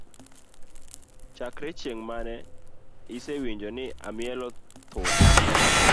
Chakre ching mane isewinjo ni amielo thum?